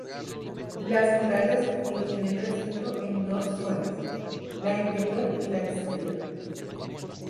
Las murallas dividen el recinto en dos zonas: la interior y la exterior.